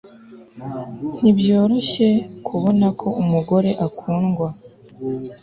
Ntibyoroshye kubona ko umugore akundwa